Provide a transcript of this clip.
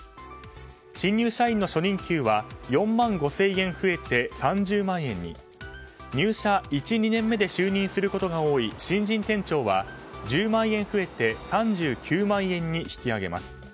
新入社員の初任給は４万５０００円増えて３０万円に入社１２年目で就任することが多い新人店長は１０万円増えて３９万円に引き上げます。